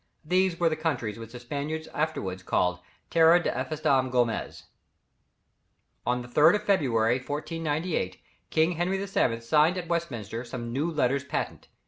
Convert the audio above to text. These were the countries which the Spaniards afterwards called "Terra de Estevam Gomez." On the 3rd of February, 1498, King Henry VII. signed at Westminster some new letters patent.